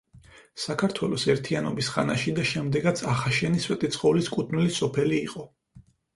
საქართველოს ერთიანობის ხანაში და შემდეგაც ახაშენი სვეტიცხოვლის კუთვნილი სოფელი იყო.